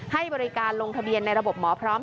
ให้บริการลงทะเบียนในระบบหมอพร้อม